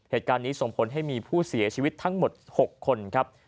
เหตุการณ์นี้ส่งผลให้มีผู้เสียชีวิตทั้งหมด๖คนครับ